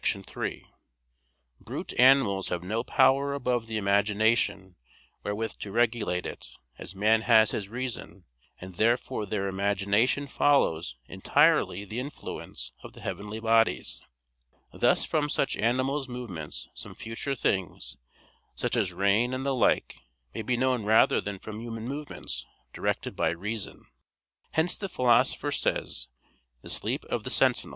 3: Brute animals have no power above the imagination wherewith to regulate it, as man has his reason, and therefore their imagination follows entirely the influence of the heavenly bodies. Thus from such animals' movements some future things, such as rain and the like, may be known rather than from human movements directed by reason. Hence the Philosopher says (De Somn. et Vig.)